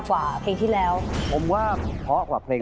บอกตัวเองทุกวัน